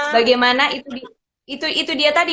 bagaimana itu dia tadi